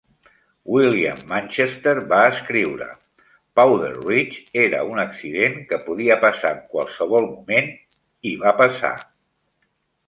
William Manchester va escriure: Powder Ridge era un accident que podia passar en qualsevol moment, i va passar.